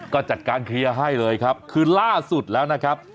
ก็จัดการเคลียร์ให้เลยครับคือล่าสุดแล้วนะครับ